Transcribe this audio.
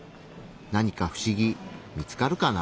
何か不思議見つかるかな？